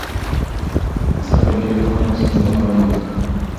زده کړه د یوې روښانه راتلونکې لپاره اړینه ده.